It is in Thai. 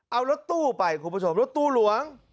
เอารถตู้ไปคุณผู้ชมรถตู้หลวง